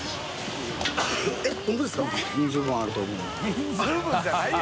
人数分じゃないよ。